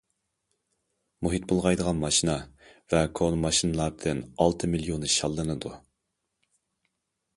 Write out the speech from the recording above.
مۇھىت بۇلغايدىغان ماشىنا ۋە كونا ماشىنىلاردىن ئالتە مىليونى شاللىنىدۇ.